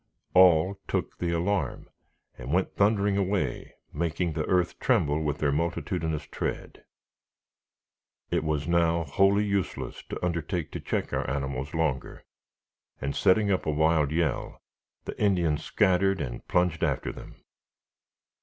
All took the alarm, and went thundering away, making the earth tremble with their multitudinous tread. It was now wholly useless to undertake to check our animals longer, and, setting up a wild yell, the Indians scattered and plunged after them.